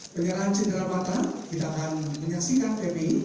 penyelamatan kita akan menyaksikan kemi